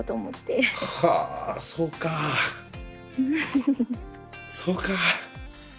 はあそうかそうか。